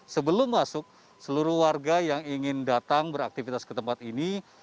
sebelum masuk seluruh warga yang ingin datang beraktivitas ke tempat ini